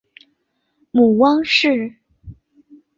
母汪氏。